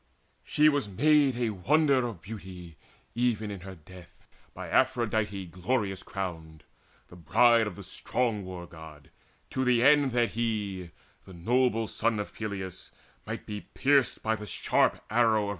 She was made A wonder of beauty even in her death By Aphrodite glorious crowned, the Bride Of the strong War god, to the end that he, The son of noble Peleus, might be pierced With the sharp arrow of repentant love.